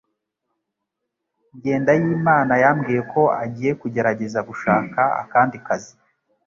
Jyendayimana yambwiye ko agiye kugerageza gushaka akandi kazi.